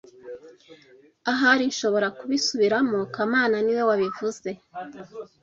Ahari nshobora kubisubiramo kamana niwe wabivuze